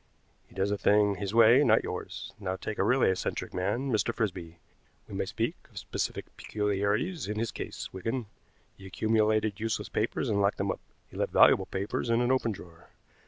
He does a thing his way, not yours. Now take a really eccentric man Mr. Frisby. We may speak of specific peculiarities in his case, Wigan. He accumulated useless papers and locked them up. He left valuable papers in an open drawer.